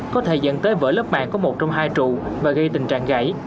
có thể dẫn tới vỡ lớp mạng có một trong hai trụ và gây tình trạng gãy